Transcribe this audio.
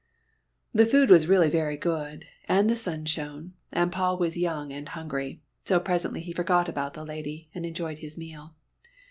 The food was really very good, and the sun shone, and Paul was young and hungry, so presently he forgot about the lady and enjoyed his meal.